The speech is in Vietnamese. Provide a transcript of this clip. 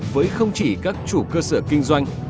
với không chỉ các chủ cơ sở kinh doanh